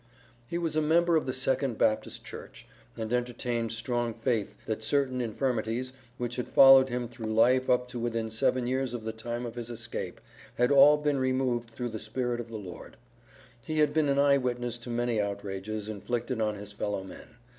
He was a member of the Second Baptist church, and entertained strong faith that certain infirmities, which had followed him through life up to within seven years of the time of his escape, had all been removed through the Spirit of the Lord. He had been an eye witness to many outrages inflicted on his fellow men.